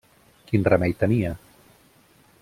Quin remei tenia?